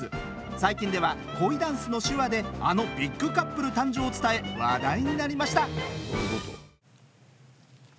最近では恋ダンスの手話であのビッグカップル誕生を伝え話題になりました。